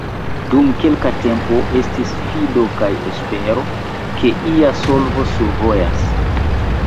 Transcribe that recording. Dum kelka tempo estis fido kaj espero, ke ia solvo survojas.